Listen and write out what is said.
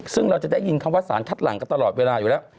ซึ่งเราจะได้ยินคำว่าสารคัดหลังกันตลอดเวลาอยู่แล้ว